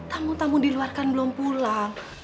tamu tamu diluarkan belum pulang